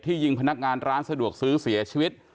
ยิงพนักงานร้านสะดวกซื้อเสียชีวิต